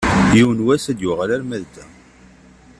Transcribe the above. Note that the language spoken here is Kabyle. Yiwen n wass ad d-yuɣal alamma d da.